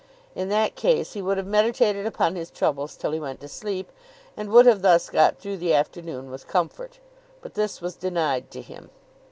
In that case he would have meditated upon his troubles till he went to sleep, and would have thus got through the afternoon with comfort. But this was denied to him.